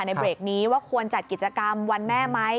ในเบรกนี้ว่าควรจัดกิจกรรมวันแม่ไหม